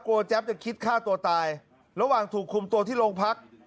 แจ๊บจะคิดฆ่าตัวตายระหว่างถูกคุมตัวที่โรงพัก